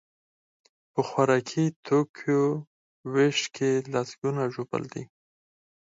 په خوراکي توکیو ویش کې لسکونه ژوبل دي.